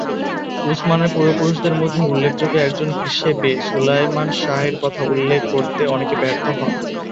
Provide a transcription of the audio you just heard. উসমানের পূর্বপুরুষদের মধ্যে উল্লেখযোগ্য একজন হিসেবে সুলেইমান শাহের কথা উল্লেখ করতে অনেকে ব্যর্থ হন।